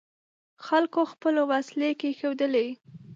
خلکو خپلې وسلې کېښودلې.